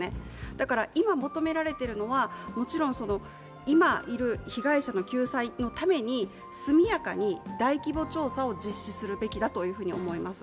だから、今求められているのは、もちろん、今いる被害者の救済のために速やかに大規模調査を実施するべきだというふうに思います。